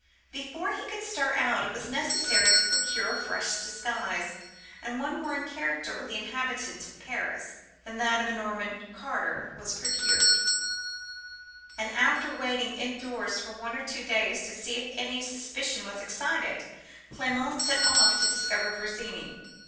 Before he could stir out, it was necessary to procure a fresh disguise, and one more in character with an inhabitant of Paris than that of a Norman carter was procured; and after waiting indoors for one or two days, to see if any suspicion was excited, Clement set off to discover Virginie.